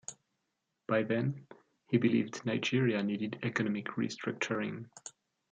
By then, he believed Nigeria needed economic re-structuring.